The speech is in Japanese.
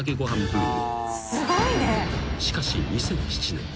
［しかし２００７年。